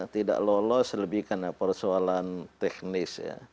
tidak lolos lebih karena persoalan teknis ya